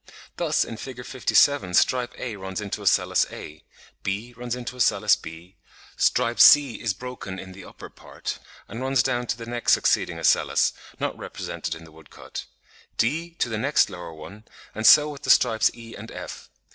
Thus in Fig. 57 stripe A runs to ocellus a; B runs to ocellus b; stripe C is broken in the upper part, and runs down to the next succeeding ocellus, not represented in the woodcut; D to the next lower one, and so with the stripes E and F.